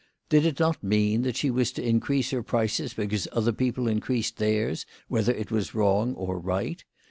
Did it not mean that she was to increase her prices because other people increased theirs, whether it was wrong or right